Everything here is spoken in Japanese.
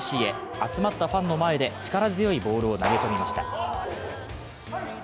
集まったファンの前で力強いボールを投げ込みました。